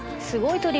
すごい。